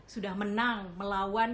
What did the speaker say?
sudah menang melawan